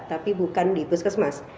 tapi bukan di puskesmas